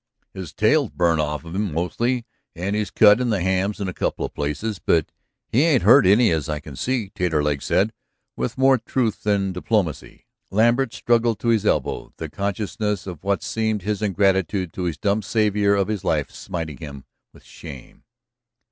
"His tail's burnt off of him, mostly, and he's cut in the hams in a couple of places, but he ain't hurt any, as I can see," Taterleg said, with more truth than diplomacy. Lambert struggled to his elbow, the consciousness of what seemed his ingratitude to this dumb savior of his life smiting him with shame.